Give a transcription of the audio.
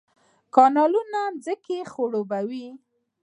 کانالونه ځمکې خړوبوي